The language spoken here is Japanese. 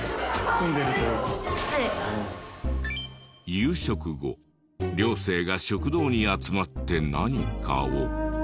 夕食後寮生が食堂に集まって何かを。